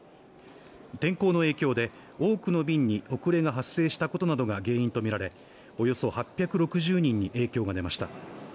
天候の影響で多くの便に遅れが発生したことなどが原因とみられおよそ８６０人に影響が出ました